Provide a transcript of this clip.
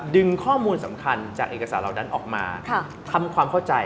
ดึงข้อมูลสำคัญจากเอกสารเหล่านั้นออกมาทำความเข้าใจ